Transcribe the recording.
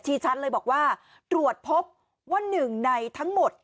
ชัดเลยบอกว่าตรวจพบว่าหนึ่งในทั้งหมด